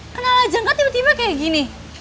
kenal aja gak tiba tiba kayak gini